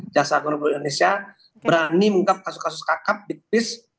dasar agro agro indonesia berani mengungkap kasus kasus kakap big piece